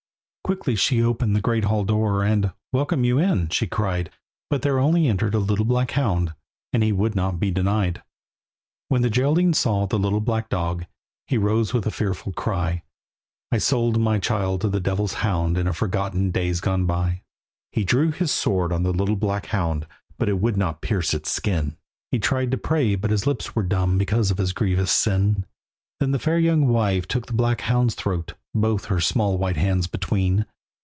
Quickly she opened the great hall door, And "Welcome you in," she cried, But there only entered a little black hound, And he would not be denied. When the Geraldine saw the little black dog, He rose with a fearful cry, "I sold my child to the Devil's hound In forgotten days gone by." He drew his sword on the little black hound, But it would not pierce its skin, He tried to pray, but his lips were dumb Because of his grievous sin. Then the fair young wife took the black hound's throat Both her small white hands between.